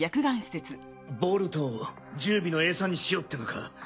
ボルトを十尾の餌にしようってのか？